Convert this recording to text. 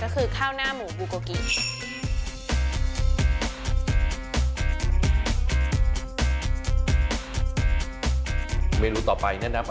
เอาล่ะเดินทางมาถึงในช่วงไฮไลท์ของตลอดกินในวันนี้แล้วนะครับ